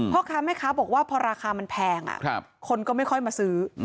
พ่อค้าแม่ค้าบอกว่าพอราคามันแพงคนก็ไม่ค่อยมาซื้อ